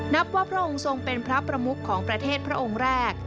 นับว่าพระองค์ทรงเป็นพระประมุขของประเทศพระองค์แรก